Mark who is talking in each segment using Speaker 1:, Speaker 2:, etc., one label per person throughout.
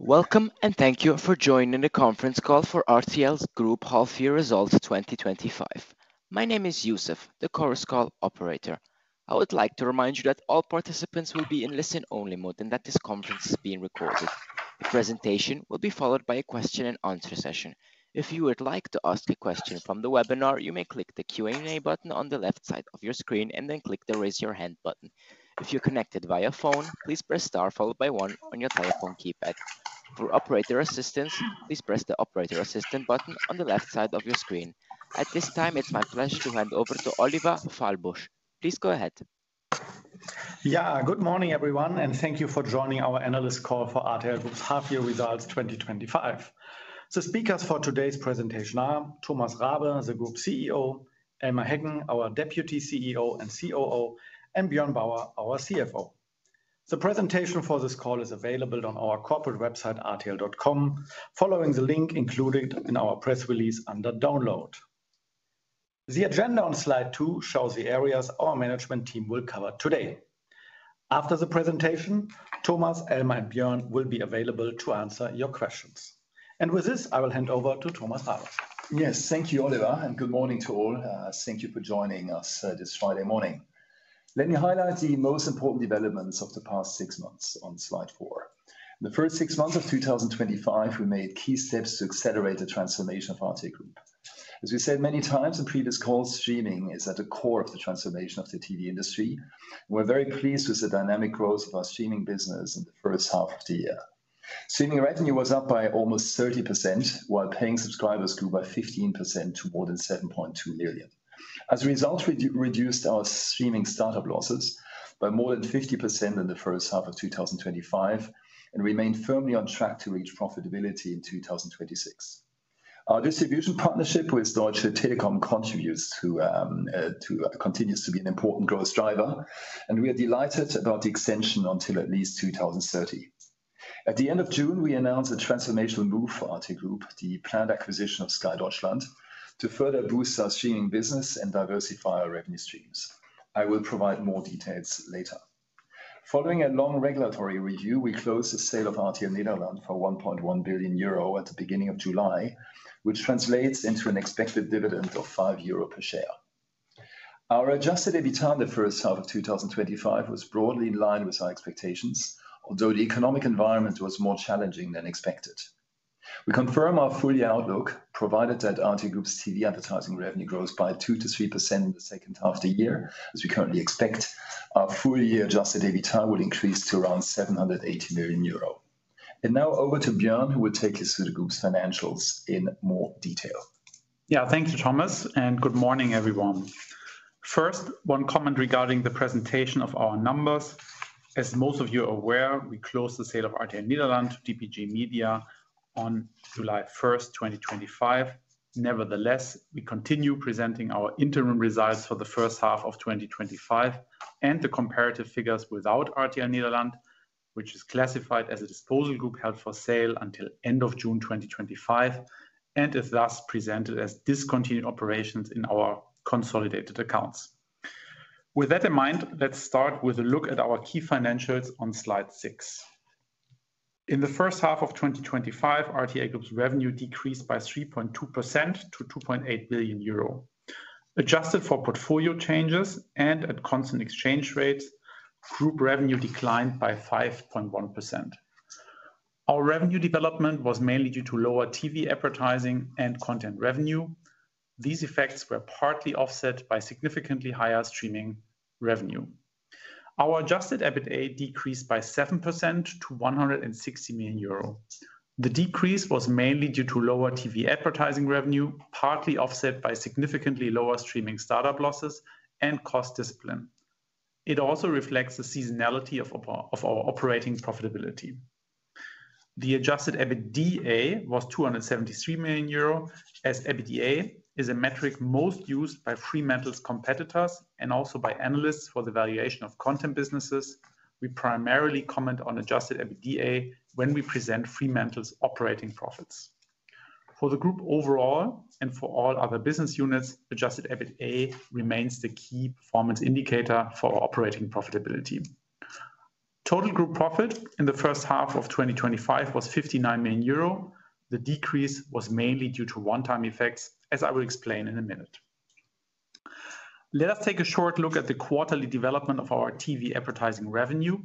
Speaker 1: Welcome and thank you for joining the conference call for RTL Group Half Year Results 2025. My name is Youssef, the Chorus Call operator. I would like to remind you that all participants will be in listen-only mode and that this conference is being recorded. The presentation will be followed by a question and answer session. If you would like to ask a question from the webinar, you may click the Q&A button on the left side of your screen and then click the Raise Your Hand button. If you're connected via phone, please press star followed by one on your telephone keypad. For operator assistance, please press the Operator Assistant button on the left side of your screen. At this time, it's my pleasure to hand over to Oliver Fahlbusch. Please go ahead.
Speaker 2: Good morning everyone, and thank you for joining our analyst call for RTL Group's Half Year Results 2025. The speakers for today's presentation are Thomas Rabe, the Group CEO, Elmar Heggen, our Deputy CEO and COO, and Björn Bauer, our CFO. The presentation for this call is available on our corporate website, rtl.com, following the link included in our press release under Download. The agenda on slide two shows the areas our management team will cover today. After the presentation, Thomas, Elmar, and Björn will be available to answer your questions. With this, I will hand over to Thomas Rabe.
Speaker 3: Yes, thank you, Oliver, and good morning to all. Thank you for joining us this Friday morning. Let me highlight the most important developments of the past six months on slide four. In the first six months of 2025, we made key steps to accelerate the transformation of RTL. As we said many times in previous calls, streaming is at the core of the transformation of the TV industry. We're very pleased with the dynamic growth of our streaming business in the first half of the year. Streaming revenue was up by almost 30%, while paying subscribers grew by 15% to more than 7.2 million. As a result, we reduced our streaming startup losses by more than 50% in the first half of 2025 and remained firmly on track to reach profitability in 2026. Our distribution partnership with Deutsche Telekom continues to be an important growth driver, and we are delighted about the extension until at least 2030. At the end of June, we announced a transformational move for RTL, the planned acquisition of Sky Deutschland, to further boost our streaming business and diversify our revenue streams. I will provide more details later. Following a long regulatory review, we closed the sale of RTL Nederland for 1.1 billion euro at the beginning of July, which translates into an expected dividend of 5 euro per share. Our adjusted EBITA in the first half of 2025 was broadly in line with our expectations, although the economic environment was more challenging than expected. We confirm our full-year outlook, provided that RTL Group's TV advertising revenue grows by 2%-3% in the second half of the year, as we currently expect. Our full-year adjusted EBITA will increase to around 780 million euro. Now over to Björn, who will take us through the group's financials in more detail.
Speaker 4: Thank you, Thomas, and good morning everyone. First, one comment regarding the presentation of our numbers. As most of you are aware, we closed the sale of RTL Nederland to DPG Media on July 1st, 2025. Nevertheless, we continue presenting our interim results for the first half of 2025 and the comparative figures without RTL Nederland, which is classified as a disposal group held for sale until the end of June 2025 and is thus presented as discontinued operations in our consolidated accounts. With that in mind, let's start with a look at our key financials on slide six. In the first half of 2025, RTL Group's revenue decreased by 3.2% to 2.8 billion euro. Adjusted for portfolio changes and at constant exchange rates, the group revenue declined by 5.1%. Our revenue development was mainly due to lower TV advertising and content revenue. These effects were partly offset by significantly higher streaming revenue. Our adjusted EBITA decreased by 7% to 160 million euro. The decrease was mainly due to lower TV advertising revenue, partly offset by significantly lower streaming startup losses and cost discipline. It also reflects the seasonality of our operating profitability. The adjusted EBITDA was 273 million euro, as EBITDA is a metric most used by Fremantle's competitors and also by analysts for the valuation of content businesses. We primarily comment on adjusted EBITDA when we present Fremantle's operating profits. For the group overall and for all other business units, adjusted EBITA remains the key performance indicator for our operating profitability. Total group profit in the first half of 2025 was 59 million euro. The decrease was mainly due to one-time effects, as I will explain in a minute. Let us take a short look at the quarterly development of our TV advertising revenue.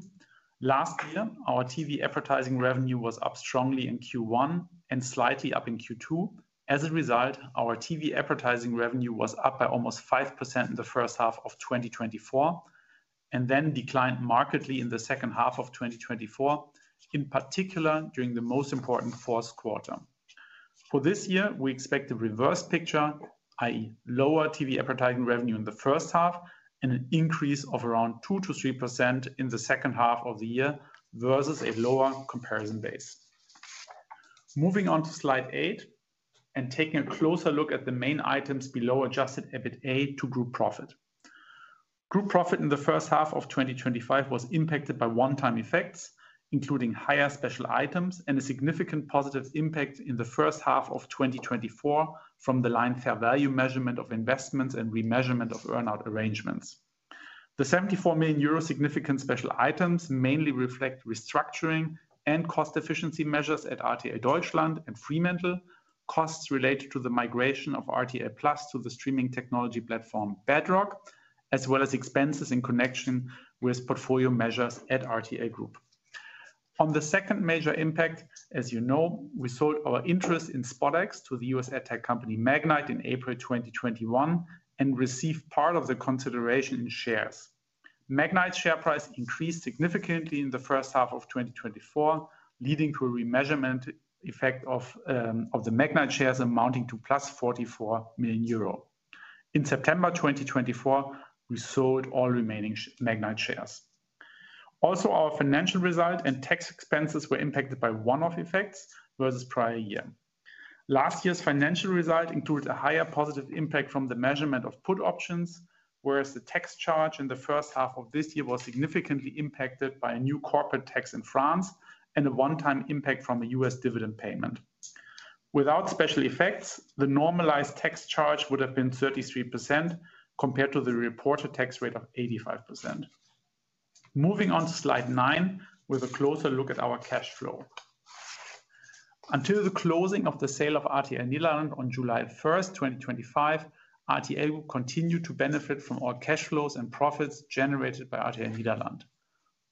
Speaker 4: Last year, our TV advertising revenue was up strongly in Q1 and slightly up in Q2. As a result, our TV advertising revenue was up by almost 5% in the first half of 2024 and then declined markedly in the second half of 2024, in particular during the most important fourth quarter. For this year, we expect a reverse picture, i.e., lower TV advertising revenue in the first half and an increase of around 2%-3% in the second half of the year versus a lower comparison base. Moving on to slide eight and taking a closer look at the main items below adjusted EBITA to group profit. Group profit in the first half of 2025 was impacted by one-time effects, including higher special items and a significant positive impact in the first half of 2024 from the line fair value measurement of investments and remeasurement of earnout arrangements. The 74 million euro significant special items mainly reflect restructuring and cost efficiency measures at RTL Deutschland and Fremantle, costs related to the migration of RTL+ to the streaming technology platform Bedrock, as well as expenses in connection with portfolio measures at RTL Group. On the second major impact, as you know, we sold our interest in SpotX to the U.S. tech company Magnite in April 2021 and received part of the consideration in shares. Magnite's share price increased significantly in the first half of 2024, leading to a remeasurement effect of the Magnite shares amounting to +44 million euro. In September 2024, we sold all remaining Magnite shares. Also, our financial result and tax expenses were impacted by one-off effects versus prior years. Last year's financial result included a higher positive impact from the measurement of put options, whereas the tax charge in the first half of this year was significantly impacted by a new corporate tax in France and a one-time impact from a U.S. dividend payment. Without special effects, the normalized tax charge would have been 33% compared to the reported tax rate of 85%. Moving on to slide nine with a closer look at our cash flow. Until the closing of the sale of RTL Nederland on July 1st, 2025, RTL continued to benefit from all cash flows and profits generated by RTL Nederland.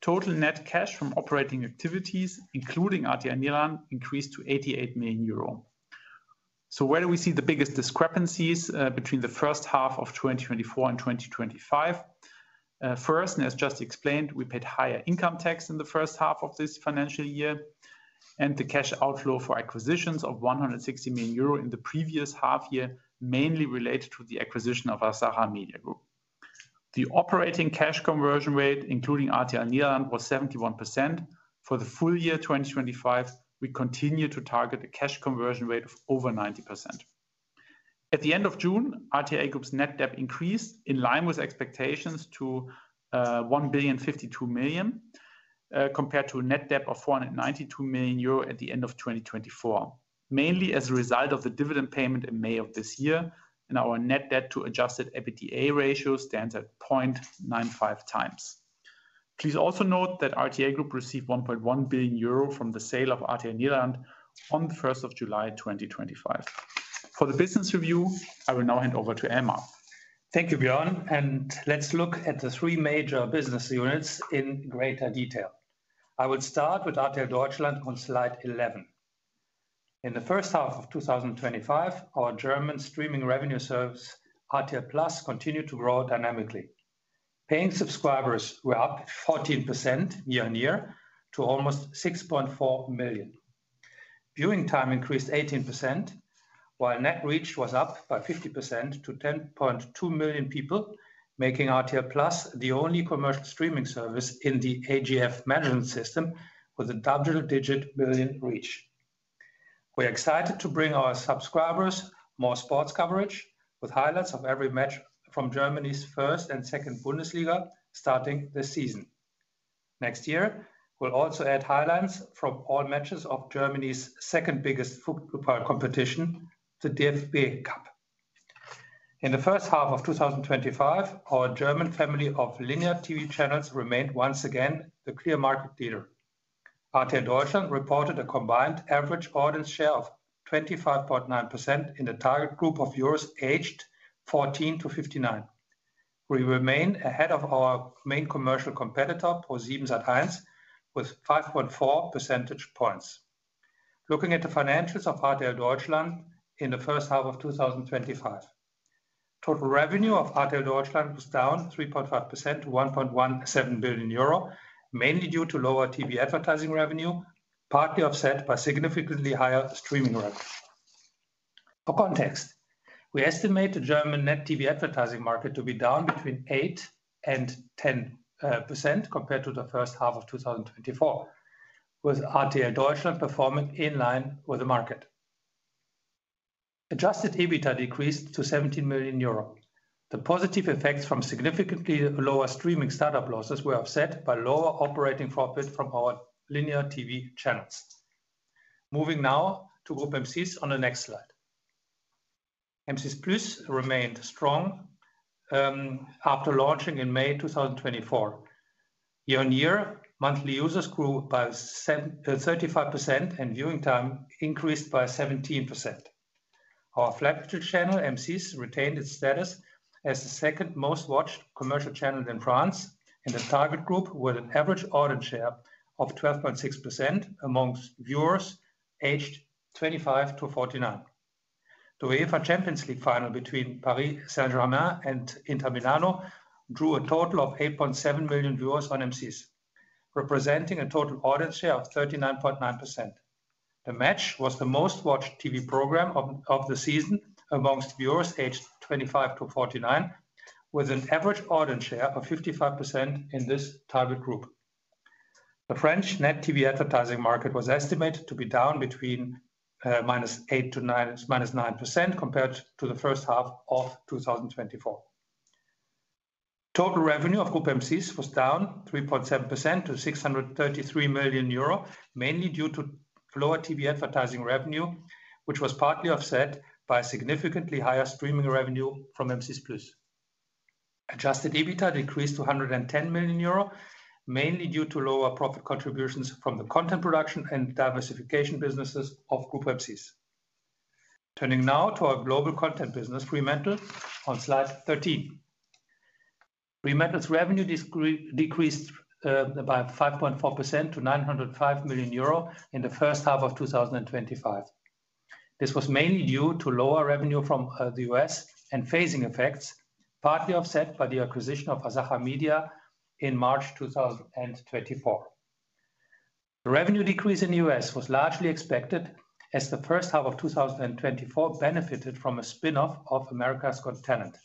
Speaker 4: Total net cash from operating activities, including RTL Nederland, increased to 88 million euro. Where do we see the biggest discrepancies between the first half of 2024 and 2025? First, and as just explained, we paid higher income tax in the first half of this financial year and the cash outflow for acquisitions of 160 million euro in the previous half year, mainly related to the acquisition of Asacha Media Group. The operating cash conversion rate, including RTL Nederland, was 71%. For the full year 2025, we continue to target a cash conversion rate of over 90%. At the end of June, RTL Group's net debt increased in line with expectations to 1.52 billion compared to a net debt of 492 million euro at the end of 2024, mainly as a result of the dividend payment in May of this year, and our net debt to adjusted EBITDA ratio stands at 0.95 times. Please also note that RTL Group received 1.1 billion euro from the sale of RTL Nederland on the 1st of July 2025. For the business review, I will now hand over to Elmar.
Speaker 5: Thank you, Björn, and let's look at the three major business units in greater detail. I will start with RTL Deutschland on slide 11. In the first half of 2025, our German streaming service, RTL+, continued to grow dynamically. Paying subscribers were up 14% year on year to almost 6.4 million. Viewing time increased 18%, while net reach was up by 50% to 10.2 million people, making RTL+ the only commercial streaming service in the AGF management system with a double-digit million reach. We're excited to bring our subscribers more sports coverage with highlights of every match from Germany's first and second Bundesliga starting this season. Next year, we'll also add highlights from all matches of Germany's second biggest football competition, the DFB Cup. In the first half of 2025, our German family of linear TV channels remained once again the clear market leader. RTL Deutschland reported a combined average audience share of 25.9% in the target group of viewers aged 14-59. We remain ahead of our main commercial competitor, ProSiebenSat.1, with 5.4 percentage points. Looking at the financials of RTL Deutschland in the first half of 2025, total revenue of RTL Deutschland was down 3.5% to 1.17 billion euro, mainly due to lower TV advertising revenue, partly offset by significantly higher streaming rates. For context, we estimate the German net TV advertising market to be down between 8% and 10% compared to the first half of 2024, with RTL Deutschland performing in line with the market. Adjusted EBITA decreased to 17 million euro. The positive effects from significantly lower streaming startup losses were offset by lower operating profits from our linear TV channels. Moving now to Groupe M6 on the next slide. M6+ remained strong after launching in May 2024. Year on year, monthly users grew by 35% and viewing time increased by 17%. Our flagship channel, M6, retained its status as the second most watched commercial channel in France in the target group with an average audience share of 12.6% amongst viewers aged 25-49. The UEFA Champions League final between Paris Saint-Germain and Inter Milano drew a total of 8.7 million viewers on M6, representing a total audience share of 39.9%. The match was the most watched TV program of the season amongst viewers aged 25-49, with an average audience share of 55% in this target group. The French net TV advertising market was estimated to be down between -8% to -9% compared to the first half of 2024. Total revenue of Groupe M6 was down 3.7% to 633 million euro, mainly due to lower TV advertising revenue, which was partly offset by significantly higher streaming revenue from M6+. Adjusted EBITA decreased to 110 million euro, mainly due to lower profit contributions from the content production and diversification businesses of Groupe M6. Turning now to our global content business, Fremantle, on slide 13. Fremantle's revenue decreased by 5.4% to 905 million euro in the first half of 2025. This was mainly due to lower revenue from the U.S. and phasing effects, partly offset by the acquisition of Asacha Media in March 2024. The revenue decrease in the U.S. was largely expected as the first half of 2024 benefited from a spin-off of America's continent.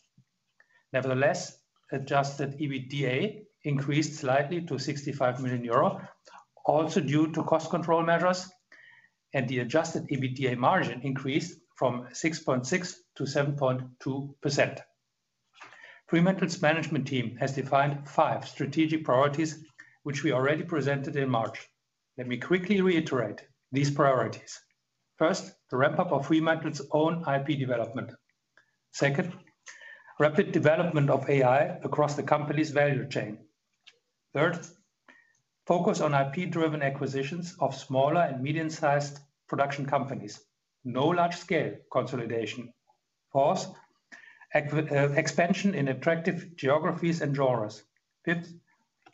Speaker 5: Nevertheless, adjusted EBITDA increased slightly to 65 million euro, also due to cost control measures, and the adjusted EBITDA margin increased from 6.6% to 7.2%. Fremantle's management team has defined five strategic priorities, which we already presented in March. Let me quickly reiterate these priorities. First, the ramp-up of Fremantle's own IP development. Second, rapid development of AI across the company's value chain. Third, focus on IP-driven acquisitions of smaller and medium-sized production companies. No large-scale consolidation. Fourth, expansion in attractive geographies and genres. Fifth,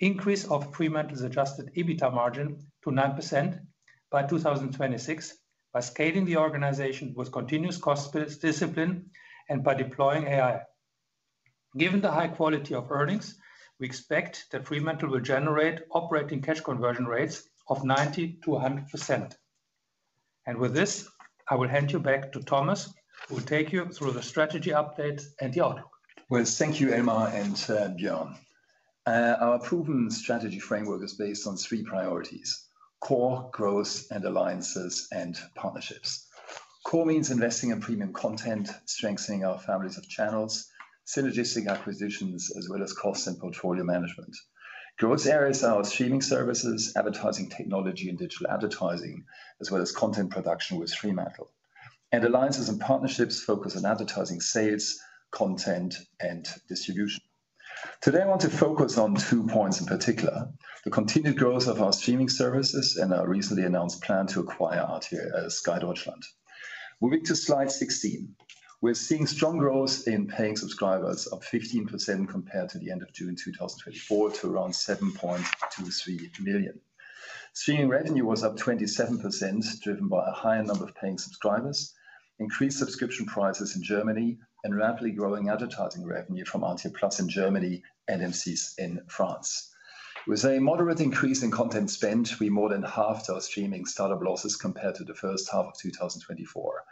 Speaker 5: increase of Fremantle's adjusted EBITDA margin to 9% by 2026 by scaling the organization with continuous cost discipline and by deploying AI. Given the high quality of earnings, we expect that Fremantle will generate operating cash conversion rates of 90%-100%. With this, I will hand you back to Thomas, who will take you through the strategy updates and the outlook.
Speaker 3: Thank you, Elmar and Björn. Our proven strategy framework is based on three priorities: core, growth, alliances, and partnerships. Core means investing in premium content, strengthening our families of channels, synergistic acquisitions, as well as cost and portfolio management. Growth areas are streaming services, advertising technology, and digital advertising, as well as content production with Fremantle. Alliances and partnerships focus on advertising sales, content, and distribution. Today, I want to focus on two points in particular: the continued growth of our streaming services and our recently announced plan to acquire Sky Deutschland. Moving to slide 16, we're seeing strong growth in paying subscribers, up 15% compared to the end of June 2024 to around 7.23 million. Streaming revenue was up 27%, driven by a higher number of paying subscribers, increased subscription prices in Germany, and rapidly growing advertising revenue from RTL+ in Germany and M6 in France. With a moderate increase in content spend, we more than halved our streaming startup losses compared to the first half of 2024.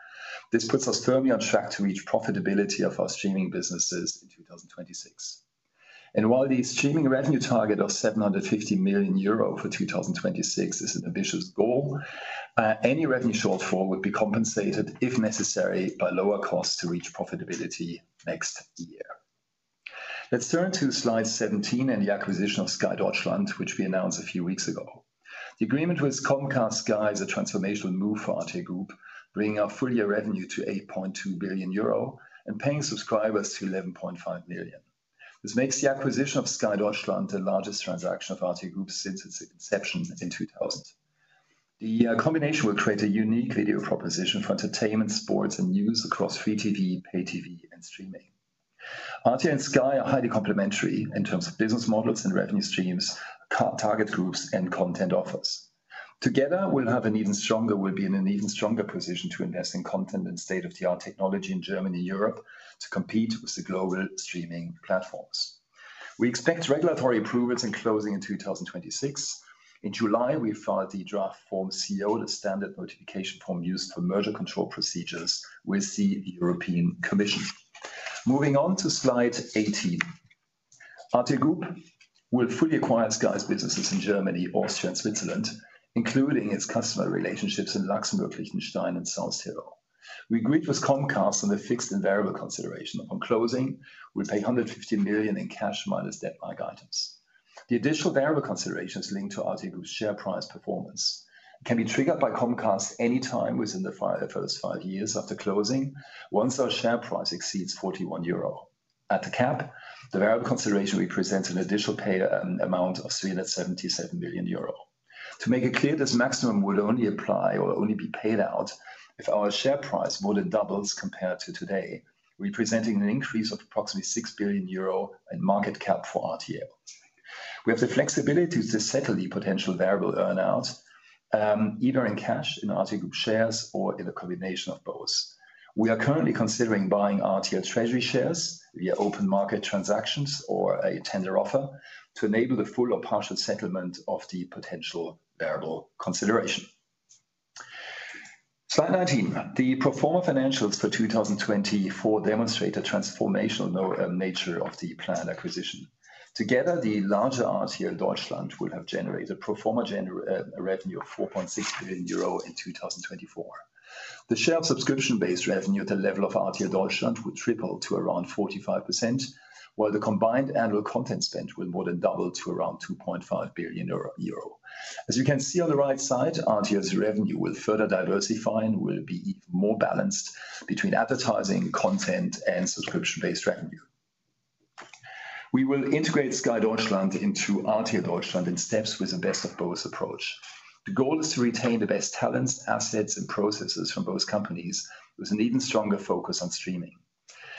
Speaker 3: This puts us firmly on track to reach profitability of our streaming businesses in 2026. While the streaming revenue target of 750 million euro for 2026 is an ambitious goal, any revenue shortfall would be compensated, if necessary, by lower costs to reach profitability next year. Let's turn to slide 17 and the acquisition of Sky Deutschland, which we announced a few weeks ago. The agreement with Comcast is a transformational move for RTL Group, bringing our full-year revenue to 8.2 billion euro and paying subscribers to 11.5 million. This makes the acquisition of Sky Deutschland the largest transaction of RTL Group since its inception in 2000. The combination will create a unique video proposition for entertainment, sports, and news across free TV, pay TV, and streaming. RTL and Sky are highly complementary in terms of business models and revenue streams, target groups, and content offers. Together, we'll have an even stronger position to invest in content and state-of-the-art technology in Germany and Europe to compete with the global streaming platforms. We expect regulatory approvals and closing in 2026. In July, we filed the draft Form CO, the standard notification form used for merger control procedures with the European Commission. Moving on to slide 18, RTL Group will fully acquire Sky's businesses in Germany, Austria, and Switzerland, including its customer relationships in Luxembourg, Liechtenstein, and South Tyrol. We agreed with Comcast on the fixed and variable consideration on closing. We'll pay 150 million in cash minus debt by guidance. The additional variable consideration is linked to RTL Group's share price performance and can be triggered by Comcast anytime within the first five years after closing, once our share price exceeds 41 euro. At the cap, the variable consideration represents an additional pay amount of 377 million euro. To make it clear, this maximum would only apply or only be paid out if our share price more than doubles compared to today, representing an increase of approximately 6 billion euro in market cap for RTL. We have the flexibility to settle the potential variable earnout either in cash, in RTL shares, or in a combination of both. We are currently considering buying RTL Treasury shares via open market transactions or a tender offer to enable the full or partial settlement of the potential variable consideration. Slide 19, the pro forma financials for 2024 demonstrate the transformational nature of the planned acquisition. Together, the larger RTL Deutschland will have generated pro forma revenue of 4.6 billion euro in 2024. The shared subscription-based revenue at the level of RTL Deutschland will triple to around 45%, while the combined annual content spend will more than double to around 2.5 billion euro. As you can see on the right side, RTL's revenue will further diversify and will be more balanced between advertising, content, and subscription-based revenue. We will integrate Sky Deutschland into RTL Deutschland in steps with the best-of-both approach. The goal is to retain the best talents, assets, and processes from both companies, with an even stronger focus on streaming.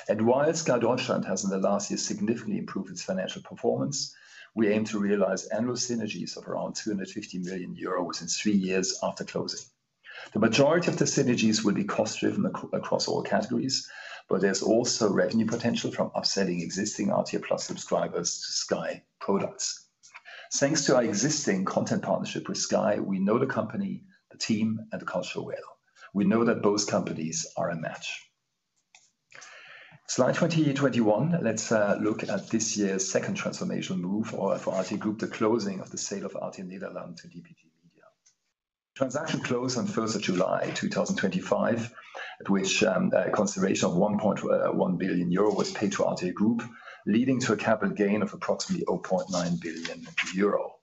Speaker 3: While Sky Deutschland has in the last year significantly improved its financial performance, we aim to realize annual synergies of around 250 million euros within three years after closing. The majority of the synergies will be cost-driven across all categories, but there's also revenue potential from upselling existing RTL+ subscribers to Sky products. Thanks to our existing content partnership with Sky, we know the company, the team, and the culture well. We know that both companies are a match. Slide 2021, let's look at this year's second transformational move for RTL Group, the closing of the sale of RTL Nederland to DPG Media. Transaction closed on 1st of July 2025, at which a consideration of 1.1 billion euro was paid to RTL Group, leading to a capital gain of approximately 0.9 billion euro.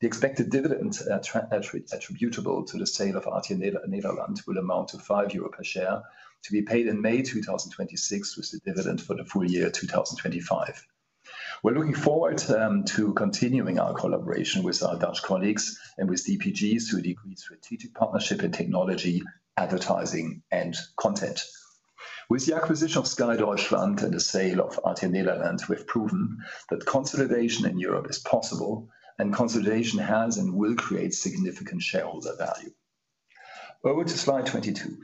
Speaker 3: The expected dividend attributable to the sale of RTL Nederland will amount to 5 euro per share to be paid in May 2026 with the dividend for the full year 2025. We're looking forward to continuing our collaboration with our Dutch colleagues and with DPG to a degree of strategic partnership in technology, advertising, and content. With the acquisition of Sky Deutschland and the sale of RTL Nederland, we've proven that consolidation in Europe is possible, and consolidation has and will create significant shareholder value. Over to slide 22.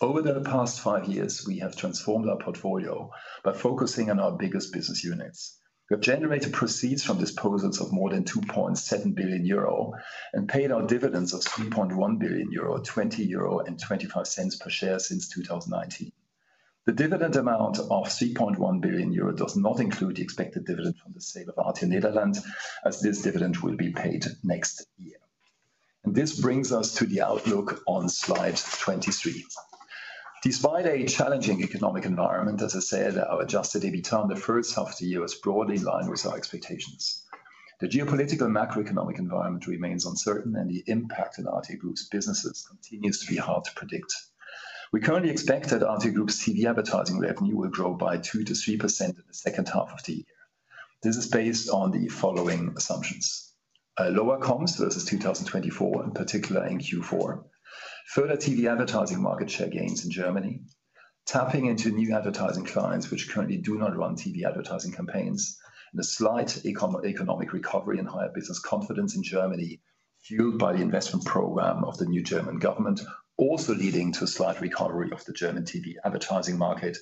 Speaker 3: Over the past five years, we have transformed our portfolio by focusing on our biggest business units. We've generated proceeds from disposals of more than 2.7 billion euro and paid out dividends of 3.1 billion euro, 20.25 euro per share since 2019. The dividend amount of 3.1 billion euro does not include the expected dividend from the sale of RTL Nederland, as this dividend will be paid next year. This brings us to the outlook on slide 23. Despite a challenging economic environment, as I said, our adjusted EBITA in the first half of the year was broadly in line with our expectations. The geopolitical and macroeconomic environment remains uncertain, and the impact on RTL Group's businesses continues to be hard to predict. We currently expect that RTL Group's TV advertising revenue will grow by 2%-3% in the second half of the year. This is based on the following assumptions: a lower comps versus 2024, in particular in Q4, further TV advertising market share gains in Germany, tapping into new advertising clients which currently do not run TV advertising campaigns, and a slight economic recovery and higher business confidence in Germany, fueled by the investment program of the new German government, also leading to a slight recovery of the German TV advertising market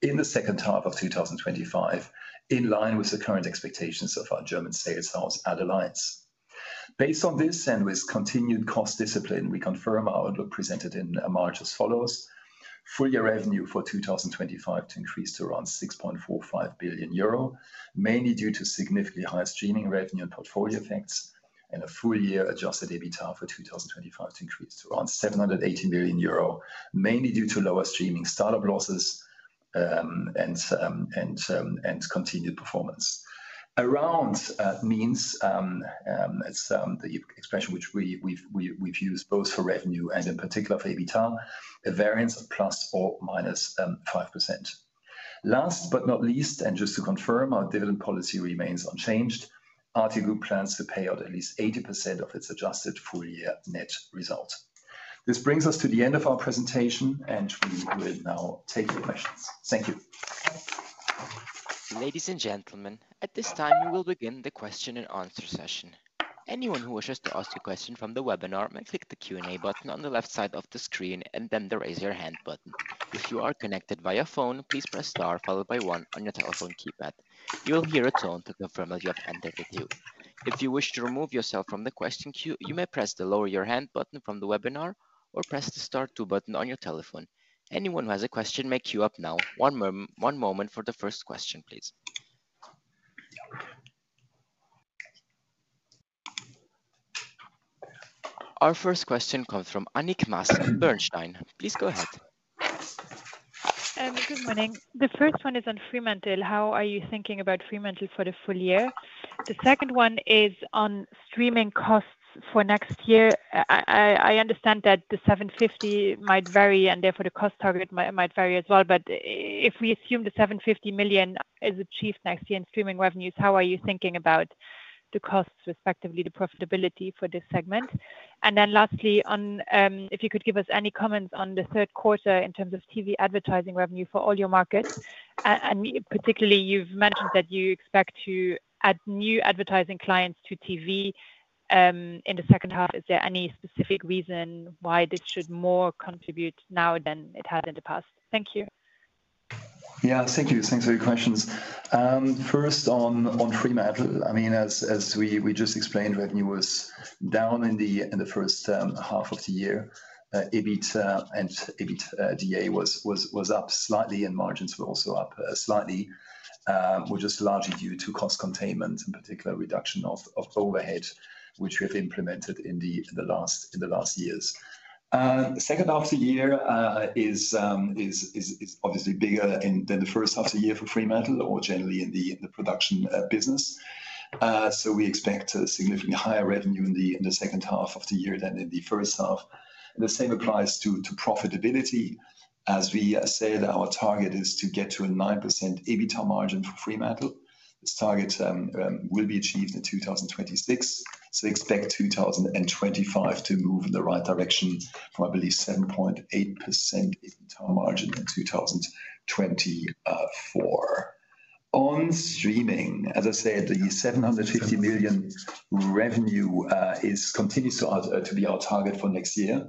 Speaker 3: in the second half of 2025, in line with the current expectations of our German sales ad alliance. Based on this and with continued cost discipline, we confirm our outlook presented in March as follows: full-year revenue for 2025 to increase to around 6.45 billion euro, mainly due to significantly higher streaming revenue and portfolio effects, and a full-year adjusted EBITDA for 2025 to increase to around 780 million euro, mainly due to lower streaming startup losses and continued performance. "Around" means it's the expression which we've used both for revenue and in particular for EBITA, a variance of ±5%. Last but not least, and just to confirm, our dividend policy remains unchanged. RTL Group plans to pay out at least 80% of its adjusted full-year net result. This brings us to the end of our presentation, and we will now take your questions. Thank you.
Speaker 1: Ladies and gentlemen, at this time, we will begin the question and answer session. Anyone who wishes to ask a question from the webinar may click the Q&A button on the left side of the screen and then the Raise Your Hand button. If you are connected via phone, please press star followed by one on your telephone keypad. You will hear a tone to confirm that you have entered the queue. If you wish to remove yourself from the question queue, you may press the Lower Your Hand button from the webinar or press the Star 2 button on your telephone. Anyone who has a question may queue up now. One moment for the first question, please. Our first question comes from Annick Maas Bernstein. Please go ahead.
Speaker 6: Good morning. The first one is on Fremantle. How are you thinking about Fremantle for the full year? The second one is on streaming costs for next year. I understand that the 750 million might vary, and therefore the cost target might vary as well. If we assume the 750 million is achieved next year in streaming revenues, how are you thinking about the costs, respectively the profitability for this segment? Lastly, if you could give us any comments on the third quarter in terms of TV advertising revenue for all your markets. Particularly, you've mentioned that you expect to add new advertising clients to TV in the second half. Is there any specific reason why this should more contribute now than it had in the past? Thank you.
Speaker 3: Yeah, thank you. Thanks for your questions. First, on Fremantle, as we just explained, revenue was down in the first half of the year. EBITA was up slightly, and margins were also up slightly. This was largely due to cost containment, in particular a reduction of overhead, which we have implemented in the last years. The second half of the year is obviously bigger than the first half of the year for Fremantle, or generally in the production business. We expect significantly higher revenue in the second half of the year than in the first half. The same applies to profitability. As we said, our target is to get to a 9% EBITA margin for Fremantle. This target will be achieved in 2026. We expect 2025 to move in the right direction for, I believe, 7.8% EBITA margin in 2024. On streaming, as I said, the 750 million revenue continues to be our target for next year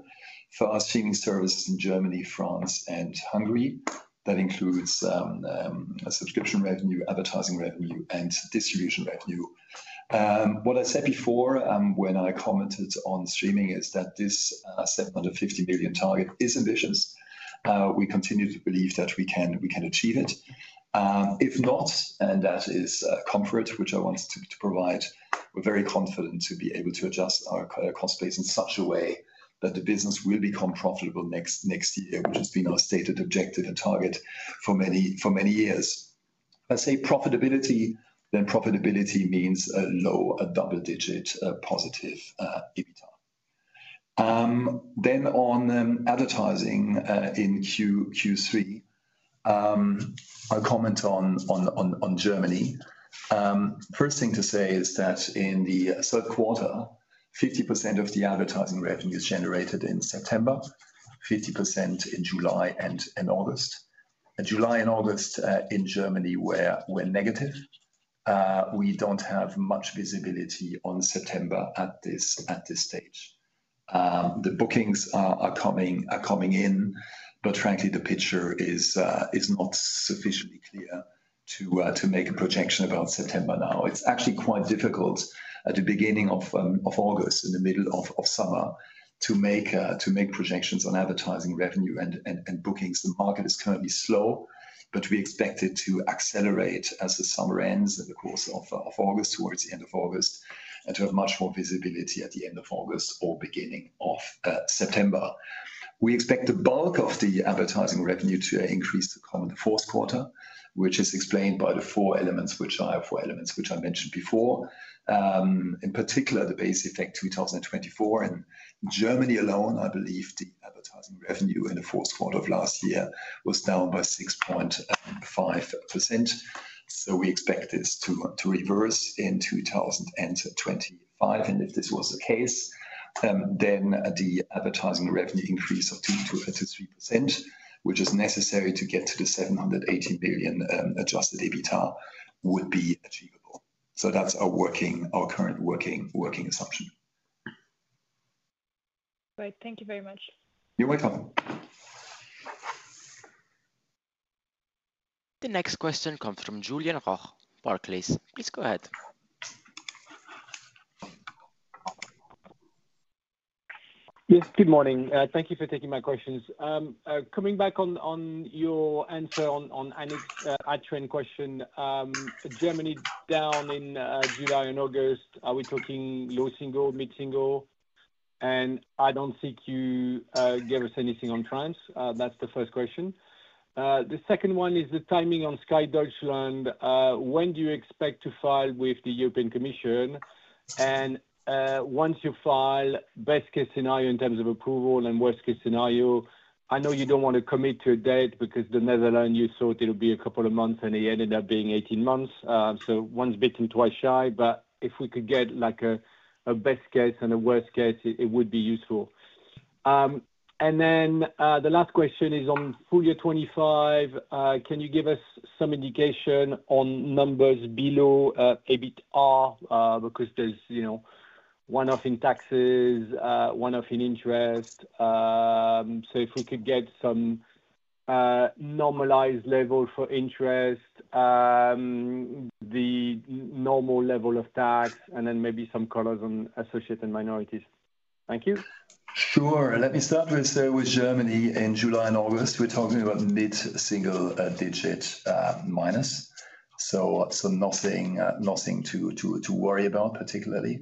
Speaker 3: for our streaming service in Germany, France, and Hungary. That includes subscription revenue, advertising revenue, and distribution revenue. What I said before when I commented on streaming is that this 750 million target is ambitious. We continue to believe that we can achieve it. If not, and that is comfort, which I want to provide, we're very confident to be able to adjust our cost base in such a way that the business will become profitable next year, which has been our stated objective and target for many years. I say profitability, then profitability means a low, a double-digit positive EBITA. On advertising in Q3, I'll comment on Germany. First thing to say is that in the third quarter, 50% of the advertising revenue is generated in September, 50% in July and August. July and August in Germany were negative. We don't have much visibility on September at this stage. The bookings are coming in, but frankly, the picture is not sufficiently clear to make a projection about September now. It's actually quite difficult at the beginning of August, in the middle of summer to make projections on advertising revenue and bookings. The market is currently slow, but we expect it to accelerate as the summer ends in the course of August, towards the end of August, and to have much more visibility at the end of August or beginning of September. We expect the bulk of the advertising revenue to increase to come in the fourth quarter, which is explained by the four elements, which are four elements which I mentioned before. In particular, the base effect 2024 in Germany alone, I believe the advertising revenue in the fourth quarter of last year was down by 6.5%. We expect this to reverse in 2025. If this was the case, then the advertising revenue increase of 2%-3%, which is necessary to get to the 780 million adjusted EBITA, would be achievable. That's our current working assumption.
Speaker 6: Great. Thank you very much.
Speaker 3: You're welcome.
Speaker 1: The next question comes from Julien Roch, Barclays. Please go ahead.
Speaker 7: Yes, good morning. Thank you for taking my questions. Coming back on your answer on Annick's question, Germany down in July and August. Are we talking low single or mid-single? I don't think you gave us anything on France. That's the first question. The second one is the timing on Sky Deutschland. When do you expect to file with the European Commission? Once you file, best-case scenario in terms of approval and worst-case scenario, I know you don't want to commit to a date because the Netherlands you thought it would be a couple of months and it ended up being 18 months. Once bitten twice shy, but if we could get like a best case and a worst case, it would be useful. The last question is on full year 2025. Can you give us some indication on numbers below EBITA because there's, you know, one-off in taxes, one-off in interest? If we could get some normalized level for interest, the normal level of tax, and then maybe some colors on associated minorities. Thank you.
Speaker 3: Sure. Let me start with Germany. In July and August, we're talking about mid-single digit minus. Nothing to worry about particularly.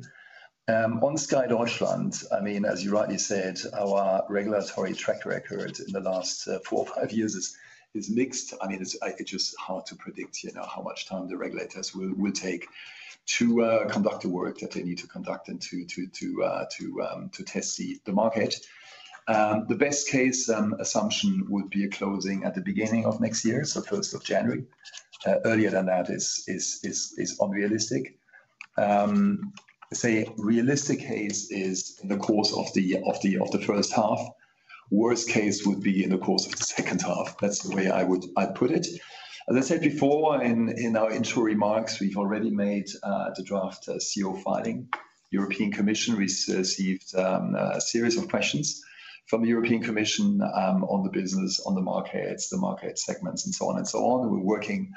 Speaker 3: On Sky Deutschland, as you rightly said, our regulatory track record in the last four or five years is mixed. It's just hard to predict how much time the regulators will take to conduct the work that they need to conduct and to test the market. The best-case assumption would be a closing at the beginning of next year, so 1st of January. Earlier than that is unrealistic. I say realistic case is in the course of the first half. Worst case would be in the course of the second half. That's the way I'd put it. As I said before in our intro remarks, we've already made the draft CEO filing. The European Commission received a series of questions from the European Commission on the business, on the markets, the market segments, and so on. We're working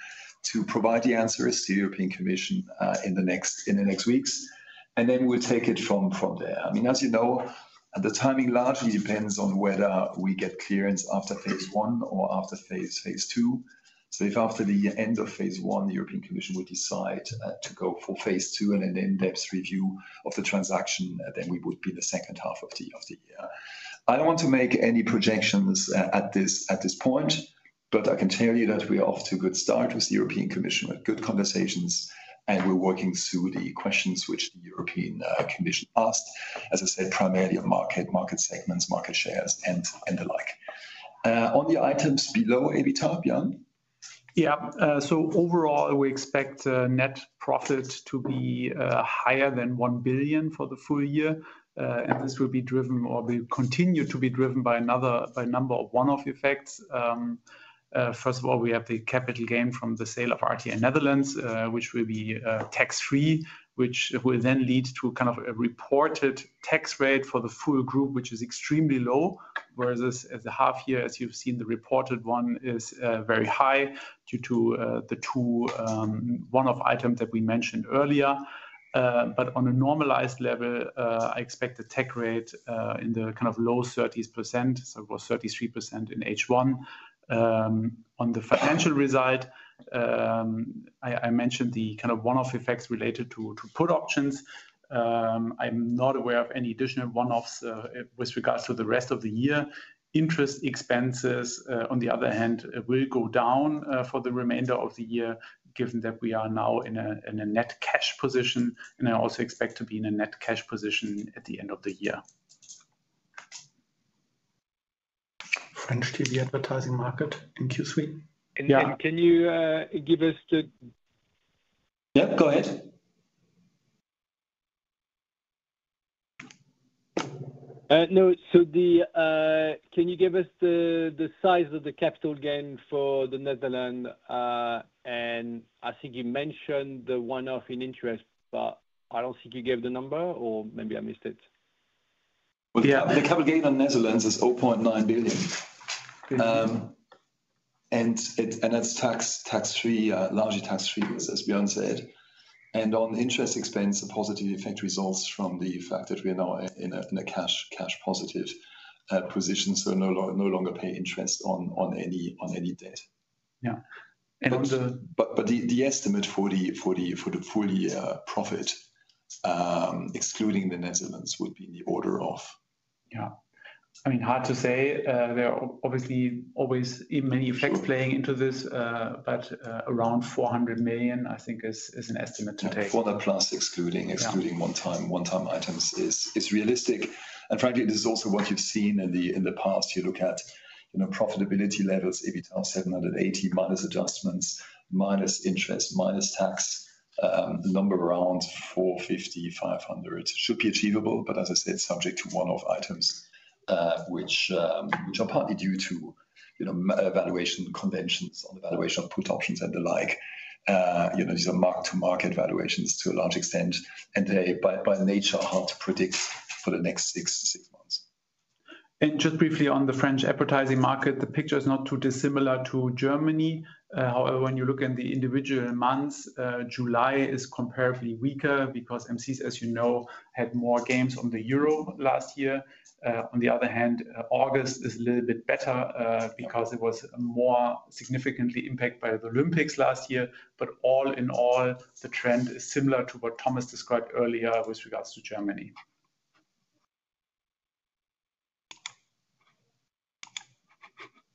Speaker 3: to provide the answers to the European Commission in the next weeks. We'll take it from there. As you know, the timing largely depends on whether we get clearance after phase one or after phase two. If after the end of phase one, the European Commission would decide to go for phase two and an in-depth review of the transaction, we would be in the second half of the year. I don't want to make any projections at this point, but I can tell you that we are off to a good start with the European Commission. We had good conversations, and we're working through the questions which the European Commission asked. As I said, primarily on market segments, market shares, and the like. On the items below EBITA, Björn?
Speaker 4: Yeah. Overall, we expect net profits to be higher than 1 billion for the full year. This will be driven or will continue to be driven by a number of one-off effects. First of all, we have the capital gain from the sale of RTL Nederland, which will be tax-free, which will then lead to kind of a reported tax rate for the full group, which is extremely low, whereas at the half year, as you've seen, the reported one is very high due to the two one-off items that we mentioned earlier. On a normalized level, I expect the tax rate in the kind of low 30%, so it was 33% in H1. On the financial side, I mentioned the kind of one-off effects related to put options. I'm not aware of any additional one-offs with regards to the rest of the year. Interest expenses, on the other hand, will go down for the remainder of the year, given that we are now in a net cash position, and I also expect to be in a net cash position at the end of the year.
Speaker 3: The TV advertising market in Q3.
Speaker 7: Can you give us the... Yeah, go ahead. Can you give us the size of the capital gain for the Netherlands? I think you mentioned the one-off in interest, but I don't think you gave the number or maybe I missed it.
Speaker 3: The capital gain on the Netherlands is 0.9 billion. It is largely tax-free, as Björn said. On interest expense, the positive effect results from the fact that we are now in a cash positive position, so no longer pay interest on any debt.
Speaker 4: create long-term value for shareholders.
Speaker 3: The estimate for the full year profit, excluding the Netherlands, would be in the order of...
Speaker 4: Yeah, I mean, hard to say. There are obviously always many effects playing into this, but around 400 million, I think, is an estimate to take.
Speaker 3: 400+ excluding one-time items is realistic. Frankly, this is also what you've seen in the past. You look at profitability levels, EBITA of 780 million minus adjustments, minus interest, minus tax, a number around 450 million-500 million. It should be achievable, as I said, subject to one-off items, which are partly due to valuation conventions on the valuation of put options and the like. These are mark-to-market valuations to a large extent, and they by nature are hard to predict for the next six months.
Speaker 4: Briefly on the French advertising market, the picture is not too dissimilar to Germany. However, when you look at the individual months, July is comparably weaker because M6, as you know, had more gains on the euro last year. On the other hand, August is a little bit better because it was more significantly impacted by the Olympics last year. All in all, the trend is similar to what Thomas described earlier with regards to Germany.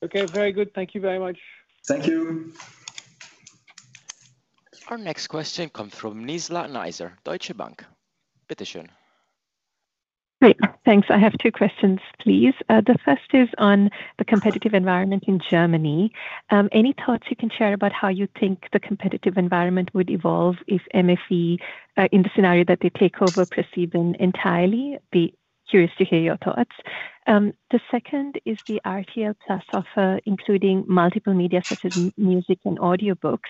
Speaker 7: Okay, very good. Thank you very much.
Speaker 3: Thank you.
Speaker 1: Our next question comes from Nizla Naizer, Deutsche Bank. Bitte schön.
Speaker 8: Thanks. I have two questions, please. The first is on the competitive environment in Germany. Any thoughts you can share about how you think the competitive environment would evolve if MFE, in the scenario that they take over, proceed entirely? Be curious to hear your thoughts. The second is the RTL+ offer, including multiple media such as music and audiobooks.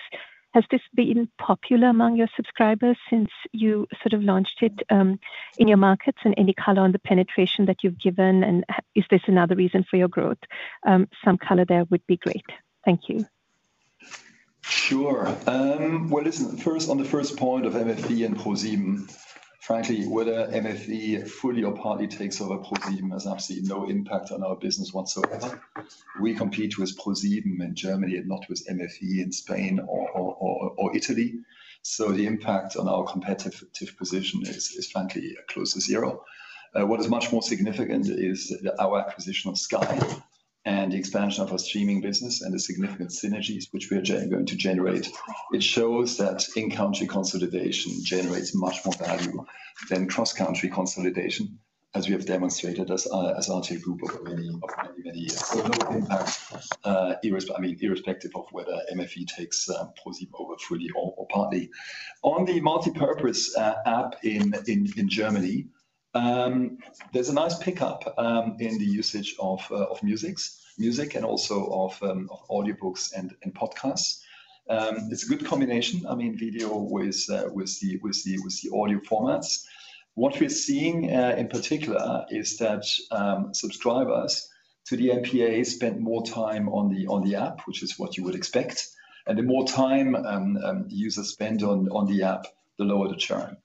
Speaker 8: Has this been popular among your subscribers since you launched it in your markets? Any color on the penetration that you've given? Is this another reason for your growth? Some color there would be great. Thank you.
Speaker 3: Sure. First, on the first point of MFE and ProSieben. Frankly, whether MFE fully or partly takes over ProSieben, there's absolutely no impact on our business whatsoever. We compete with ProSieben in Germany and not with MFE in Spain or Italy. The impact on our competitive position is, frankly, close to zero. What is much more significant is our acquisition of Sky and the expansion of our streaming business and the significant synergies which we are going to generate. It shows that in-country consolidation generates much more value than cross-country consolidation, as we have demonstrated as RTL Group over many, many years. The level of impact, I mean, irrespective of whether MFE takes ProSieben over fully or partly. On the multipurpose app in Germany, there's a nice pickup in the usage of music and also of audiobooks and podcasts. It's a good combination, I mean, video with the audio formats. What we're seeing in particular is that subscribers to the multipurpose app spend more time on the app, which is what you would expect. The more time users spend on the app, the lower the churn,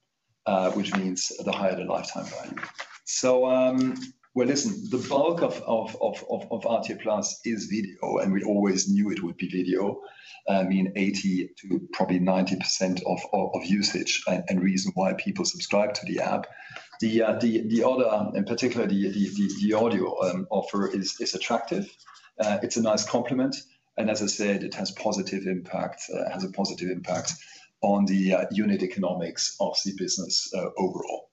Speaker 3: which means the higher the lifetime value. The bulk of RTL+ is video, and we always knew it would be video. I mean, 80% to probably 90% of usage and reason why people subscribe to the app. The audio, in particular, the audio offer is attractive. It's a nice complement. As I said, it has a positive impact, has a positive impact on the unit economics of the business overall.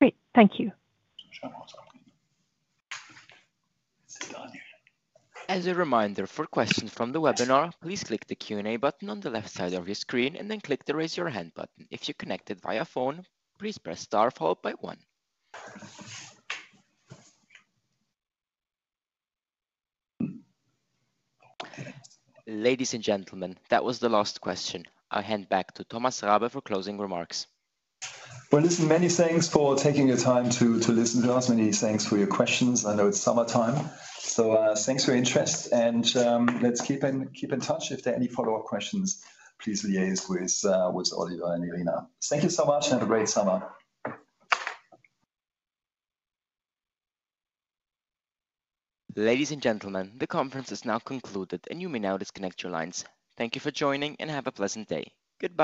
Speaker 8: Great. Thank you.
Speaker 1: As a reminder, for questions from the webinar, please click the Q&A button on the left side of your screen and then click the Raise Your Hand button. If you're connected via phone, please press star followed by one. Ladies and gentlemen, that was the last question. I'll hand back to Thomas Rabe for closing remarks.
Speaker 3: Many thanks for taking your time to listen to us. Many thanks for your questions. I know it's summertime. Thanks for your interest. Let's keep in touch. If there are any follow-up questions, please liaise with Oliver and Elena. Thank you so much and have a great summer.
Speaker 1: Ladies and gentlemen, the conference is now concluded and you may now disconnect your lines. Thank you for joining and have a pleasant day. Goodbye.